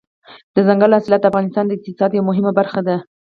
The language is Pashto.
دځنګل حاصلات د افغانستان د اقتصاد یوه مهمه برخه ده.